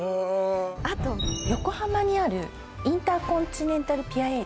あと横浜にあるインターコンチネンタルＰｉｅｒ